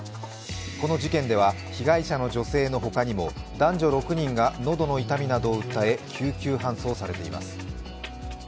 この事件では被害者の女性の他にも男女６人が喉の痛みなどを訴え救急搬送されています。